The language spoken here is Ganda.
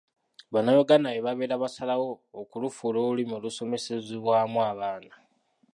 Bannayuganda be babeera basalawo okulufuula olulimi olusomesezebwamu abaana.